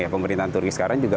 pemerintahan turki sekarang juga